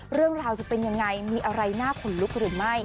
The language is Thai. เรื่องราวจะเป็นยังไงมีอะไรน่าขนลุกหรือไม่